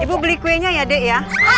ibu beli kuenya ya dek ya